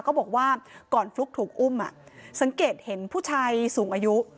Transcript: ก็บอกว่าก่อนฟลุ๊กถูกอุ้มสังเกตเห็นผู้ชายสูงอายุ